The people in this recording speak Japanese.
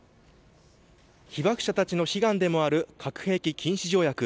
被爆者たちの悲願でもある核兵器禁止条約。